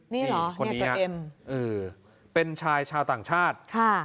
นี่เหรอนี่จะเอ็มเออเป็นชายชาวต่างชาติค่ะ